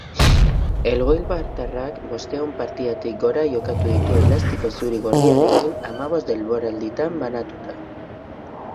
Elgoibartarrak bostehun partidatik gora jokatu ditu elastiko zuri-gorriarekin hamabost denboralditan banatuta.